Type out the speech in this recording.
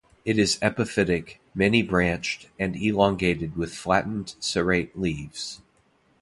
It is epiphytic, many branched, and elongated with flattened, serrate leaves.